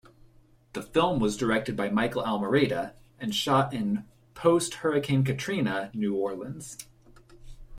The film was directed by Michael Almereyda and shot in post-Hurricane Katrina New Orleans.